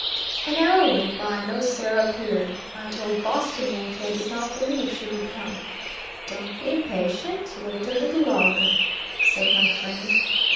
An hour went by and no Sarah appeared. I told Boston Yankee I did not believe she would come. "Don't be impatient; wait a little longer," said my friend.